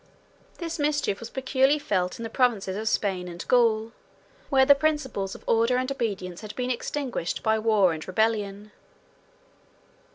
This mischief was peculiarly felt in the provinces of Spain and Gaul, where the principles of order and obedience had been extinguished by war and rebellion.